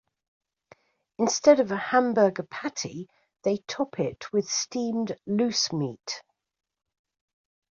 Instead of a hamburger patty, they top it with steamed loose-meat.